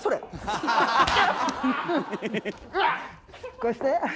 こうして。